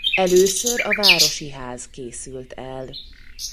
Először a városi ház készült el.